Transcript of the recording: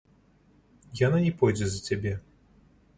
Яна не пойдзе за цябе.